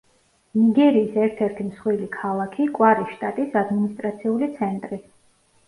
ნიგერიის ერთ-ერთი მსხვილი ქალაქი, კვარის შტატის ადმინისტრაციული ცენტრი.